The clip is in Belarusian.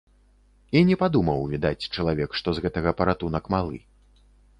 І не падумаў, відаць, чалавек, што з гэтага паратунак малы.